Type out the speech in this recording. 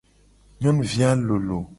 Nyonuvi a lolo.